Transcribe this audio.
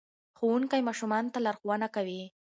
ښوونکی ماشومانو ته لارښوونه کوي.